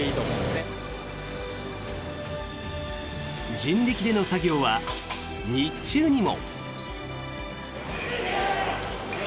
人力での作業は日中にも。